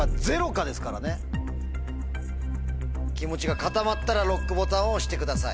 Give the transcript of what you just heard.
気持ちが固まったらＬＯＣＫボタンを押してください。